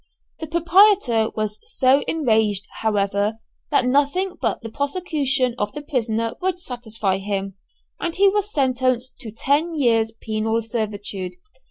The proprietor was so enraged, however, that nothing but the prosecution of the prisoner would satisfy him, and he was sentenced to ten years' penal servitude.